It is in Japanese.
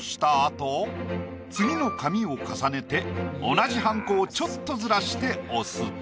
次の紙を重ねて同じはんこをちょっとずらして押す。